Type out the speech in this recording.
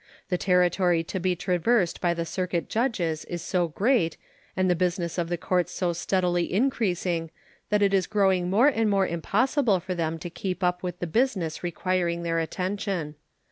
The territory to be traversed by the circuit judges is so great and the business of the courts so steadily increasing that it is growing more and more impossible for them to keep up with the business requiring their attention.